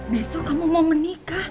besok kamu mau menikah